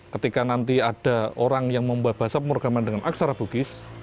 ketika nanti ada orang yang membahasa pemrograman dengan aksara bugis